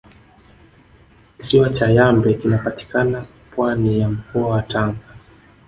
kisiwa cha yambe kinapatikana pwani ya mkoa wa tanga